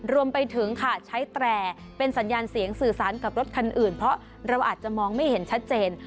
รวมไปถึงค่ะใช้แตรเป็นสัญญาณเสียงสื่อสารกับรถคันอื่นเพราะเราอาจจะมองไม่เห็นชัดเจน